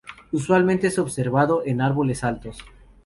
Usualmente es observado en árboles altos.